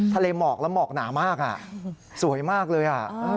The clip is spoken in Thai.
ทะเลหมอกแล้วหมอกหนามากสวยมากเลย